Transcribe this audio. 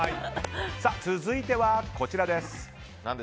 続いては、こちらです。